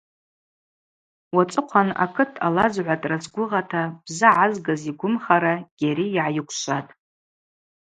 Уацӏыхъван акыт алазгӏватӏра згвыгъата бзы гӏазгыз йгвымхара Гьари йгӏайыквшватӏ.